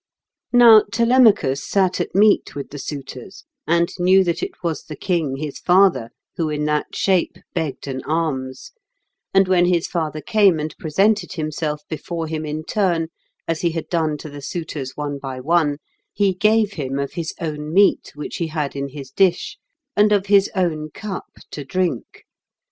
] Now Telemachus sat at meat with the suitors, and knew that it was the king his father who in that shape begged an alms; and when his father came and presented himself before him in turn, as he had done to the suitors one by one, he gave him of his own meat which he had in his dish, and of his own cup to drink.